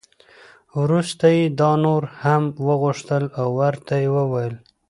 وروسته یې دا نور هم وغوښتل او ورته یې وویل.